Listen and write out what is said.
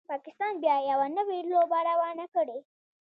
پاکستان بیا یوه نوي لوبه روانه کړي